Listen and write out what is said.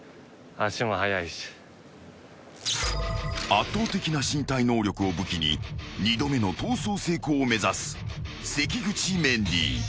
［圧倒的な身体能力を武器に二度目の逃走成功を目指す関口メンディー］